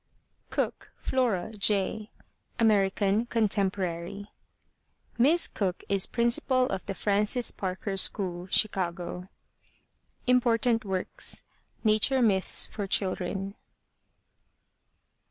COOKE, FLORA J. (American, contemporary) Miss Cooke is principal of the Francis Parker School, Chicago. Important Works: Nature Myths for Children.